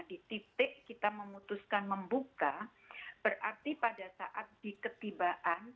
di titik kita memutuskan membuka berarti pada saat diketibaan